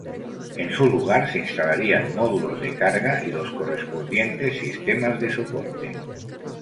En su lugar se instalarían módulos de carga y los correspondientes sistemas de soporte.